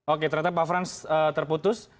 oke ternyata pak frans terputus